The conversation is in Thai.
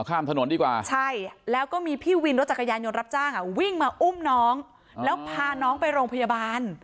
ข้ามถนนดีกว่าใช่แล้วก็มีพี่วินรถจักรยานยนต์รับจ้างอ่ะวิ่งมาอุ้มน้องแล้วพาน้องไปโรงพยาบาล